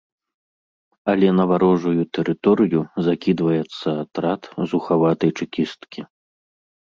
Але на варожую тэрыторыю закідваецца атрад зухаватай чэкісткі.